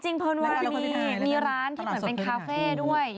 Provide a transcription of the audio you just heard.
จริงเปิลวานมีร้านแบบเป็นคาเฟ้ด้วย